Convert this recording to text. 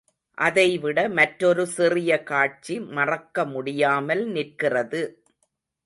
அதைவிட மற்றொரு சிறிய காட்சி மறக்கமுடியாமல் நிற்கிறது.